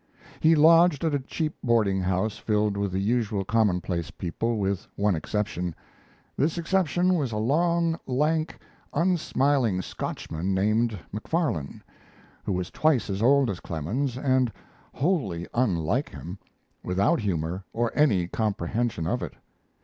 He lodged at a cheap boarding house filled with the usual commonplace people, with one exception. This exception was a long, lank, unsmiling Scotchman named Macfarlane, who was twice as old as Clemens and wholly unlike him without humor or any comprehension of it.